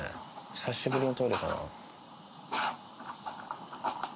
久しぶりのトイレかな？